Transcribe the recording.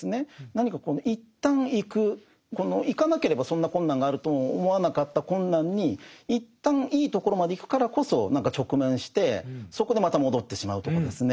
何か一旦行く行かなければそんな困難があるとも思わなかった困難に一旦いいところまで行くからこそ何か直面してそこでまた戻ってしまうとかですね。